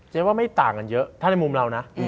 ว่าไม่ต่างกันเยอะถ้าในมุมเรานะ